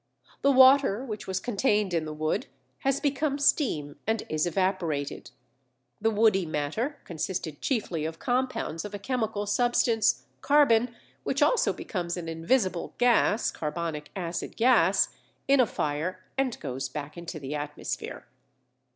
The water which was contained in the wood has become steam and is evaporated; the woody matter consisted chiefly of compounds of a chemical substance, carbon, which also becomes an invisible gas (carbonic acid gas) in a fire and goes back into the atmosphere.